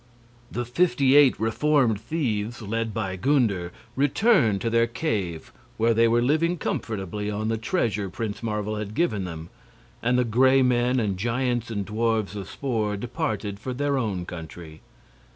The fifty eight reformed thieves, led by Gunder, returned to their cave, where they were living comfortably on the treasure Prince Marvel had given them; and the Gray Men and giants and dwarfs of Spor departed for their own country.